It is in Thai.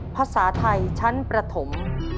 ภาษาไทยชั้นประถม